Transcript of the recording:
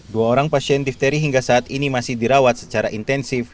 dua orang pasien difteri hingga saat ini masih dirawat secara intensif